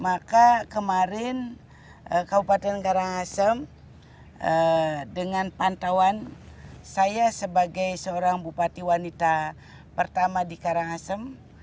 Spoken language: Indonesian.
maka kemarin kabupaten karangasem dengan pantauan saya sebagai seorang bupati wanita pertama di karangasem